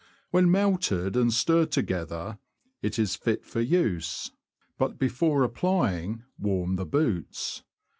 When melted and stirred together, it is fit for use ; but, before applying, warm the boots.